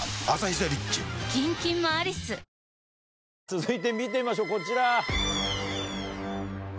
続いて見てみましょうこちら。